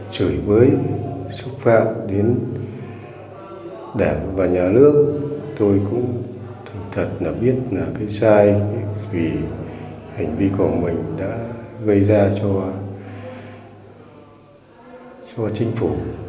chửi bới xúc phạm đến đảng và nhà nước tôi cũng thật là biết là cái sai vì hành vi của mình đã gây ra cho chính phủ